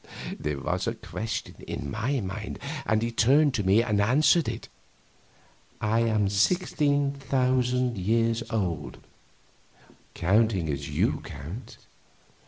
There was a question in my mind, and he turned to me and answered it, "I am sixteen thousand years old counting as you count."